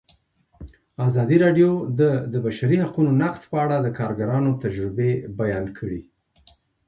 ازادي راډیو د د بشري حقونو نقض په اړه د کارګرانو تجربې بیان کړي.